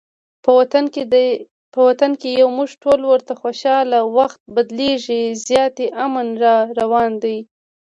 په وطن کې یو موږ ټول ورته خوشحاله، وخت بدلیږي زیاتي امن راروان دي